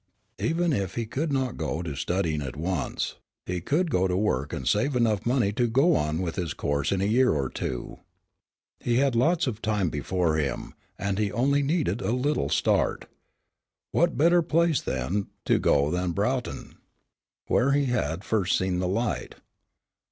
Even if he could not go to studying at once, he could go to work and save enough money to go on with his course in a year or two. He had lots of time before him, and he only needed a little start. What better place then, to go to than Broughton, where he had first seen the light?